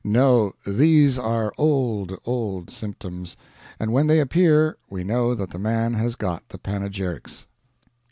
No, these are old, old symptoms; and when they appear we know that the man has got the panegyrics.